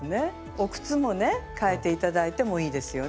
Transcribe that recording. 靴もね変えて頂いてもいいですよね。